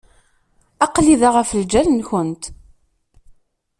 Aql-i da ɣef lǧal-nkent.